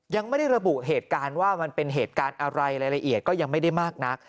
ยังไม่ได้ระบุเหตุการณ์ว่ามันเป็นเหตุการณ์อะไรรายละเอียดก็ยังไม่ได้มากนัก